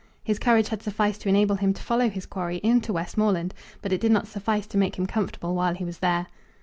His courage had sufficed to enable him to follow his quarry into Westmoreland, but it did not suffice to make him comfortable while he was there.